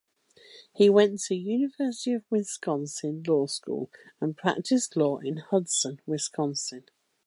He went to University of Wisconsin Law School and practiced law in Hudson, Wisconsin.